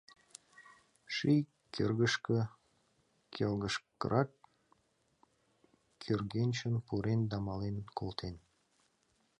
Шӱй кӧргышкӧ келгышкырак кӧргынчын пурен да мален колтен.